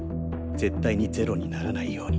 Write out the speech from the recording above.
絶対に０にならないように。